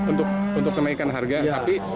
untuk kenaikan harga sapi